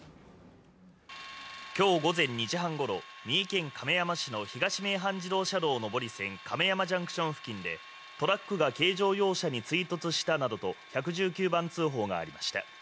今日午前２時半ごろ、三重県亀山市の東名阪自動車道上り線亀山ジャンクション付近でトラックが軽乗用車に追突したなどと１１９番通報がありました。